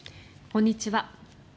こんにちは。